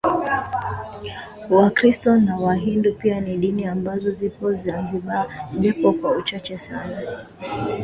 Wakristo na wahindu pia ni dini ambazo zipo Zanzibar japo kwa uchache Sana